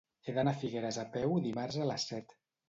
He d'anar a Figueres a peu dimarts a les set.